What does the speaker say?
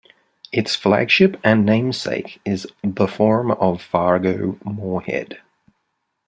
Its flagship and namesake is "The Forum of Fargo-Moorhead".